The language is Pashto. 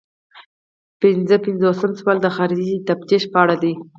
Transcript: پنځه پنځوسم سوال د خارجي تفتیش په اړه دی.